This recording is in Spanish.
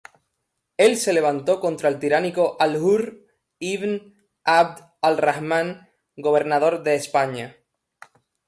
Él se levantó contra el tiránico Al-Ḥurr ibn 'Abd al-Raḥman, gobernador de España.